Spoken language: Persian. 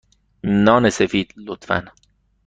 نان سفید، لطفا.